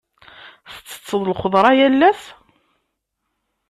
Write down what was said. Ttetteḍ lxeḍra yal ass?